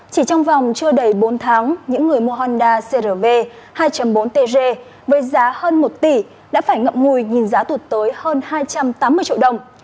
chỉ trong vòng chưa đầy bốn tháng những người mua honda cr v hai bốn tg với giá hơn một tỷ đã phải ngậm ngùi nhìn giá tuột tới hơn hai trăm tám mươi triệu đồng